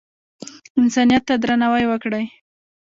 انسانیت ته درناوی وکړئ